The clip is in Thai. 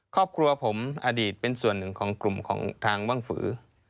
ครอบครัวผมอดีตเป็นส่วนหนึ่งของกลุ่มของทางว่างฝือ